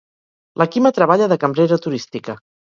La Quima treballa de cambrera turística.